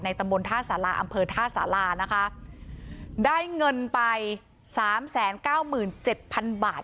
ตำบลท่าสาราอำเภอท่าสารานะคะได้เงินไปสามแสนเก้าหมื่นเจ็ดพันบาท